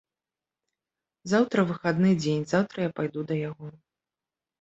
Заўтра выхадны дзень, заўтра я пайду да яго.